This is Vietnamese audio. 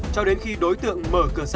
cho đến khi đối tượng mở cửa xe